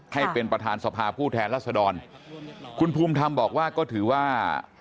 ให้เป็นประธานสภาผู้แทนรัศดรคุณภูมิธรรมบอกว่าก็ถือว่า